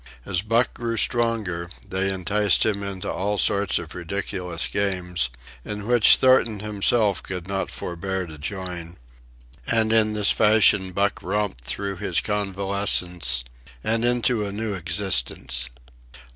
As Buck grew stronger they enticed him into all sorts of ridiculous games, in which Thornton himself could not forbear to join; and in this fashion Buck romped through his convalescence and into a new existence.